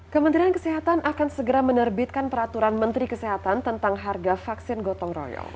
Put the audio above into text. kementerian kesehatan akan segera menerbitkan peraturan menteri kesehatan tentang harga vaksin gotong royong